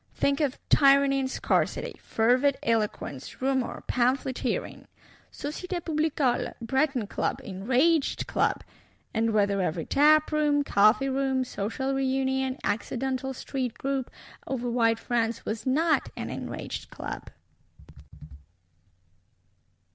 Think of Tyranny and Scarcity; Fervid eloquence, Rumour, Pamphleteering; Societé Publicole, Breton Club, Enraged Club;—and whether every tap room, coffee room, social reunion, accidental street group, over wide France, was not an Enraged Club!